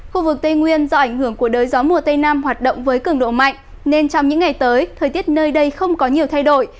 khu vực tây nguyên do ảnh hưởng của đới gió mùa tây nam hoạt động với cường độ mạnh nên trong những ngày tới thời tiết nơi đây không có nhiều thay đổi